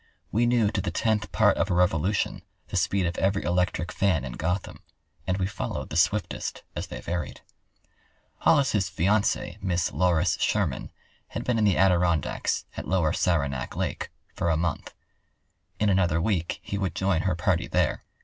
We knew to the tenth part of a revolution the speed of every electric fan in Gotham, and we followed the swiftest as they varied. Hollis's fiancee. Miss Loris Sherman, had been in the Adirondacks, at Lower Saranac Lake, for a month. In another week he would join her party there.